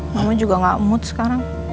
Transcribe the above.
mama juga gak mood sekarang